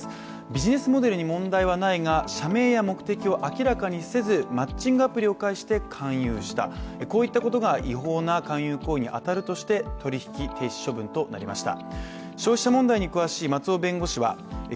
ビジネスモデルに問題はないが、社名や目的を明らかにせずマッチングアプリを介して勧誘した、こういったことが違法な勧誘行為に当たるとして取引停止処分となりました。